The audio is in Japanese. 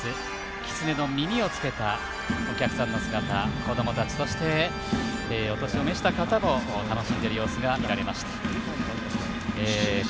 きつねの耳をつけたお客さんの姿子供たち、そしてお年を召した方も楽しんでいる様子が見られました。